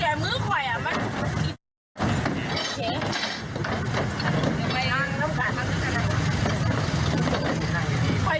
ยกเลยไม่งั้นแม่ก็โดด